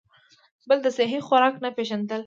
بل د سهي خوراک نۀ پېژندل ،